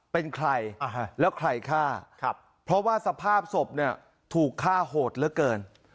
เป็นใครแล้วใครฆ่าเพราะว่าสภาพศพเนี่ยถูกฆ่าโหดเหลือเกิน